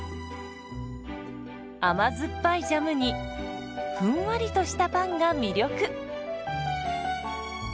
甘酸っぱいジャムにふんわりとしたパンが魅力。